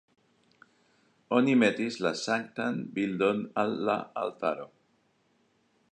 Oni metis la sanktan bildon al la altaro.